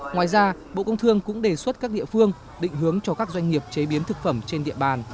ngoài ra bộ công thương cũng đề xuất các địa phương định hướng cho các doanh nghiệp chế biến thực phẩm trên địa bàn